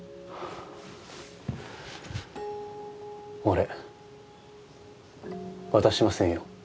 俺渡しませんよ。